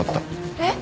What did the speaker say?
えっ！？